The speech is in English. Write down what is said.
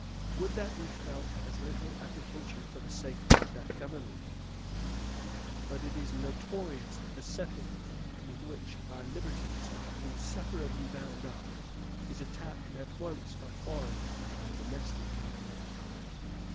Would that we felt as little apprehension for the safety of that government! But it is notorious that the settlement with which our liberties are inseparably bound up is attacked at once by foreign and by domestic enemies.